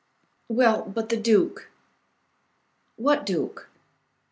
"Well, but the duke?" "What duke?"